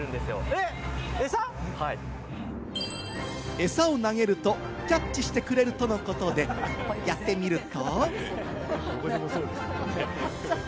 エサを投げるとキャッチしてくれるとのことで、やってみると。